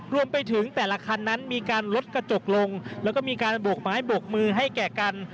รวมไปถึงแต่ละคันนั้นมีการลดกระจกลงแล้วก็มีการโบกไม้โบกมือให้แก่กัน